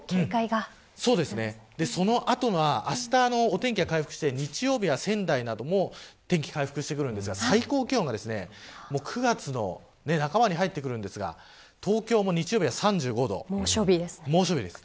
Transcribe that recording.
その後は、あしたお天気が回復して、日曜日は仙台などもお天気が回復してきますが最高気温が９月も半ばに入ってきますが東京も日曜日は３５度猛暑日です。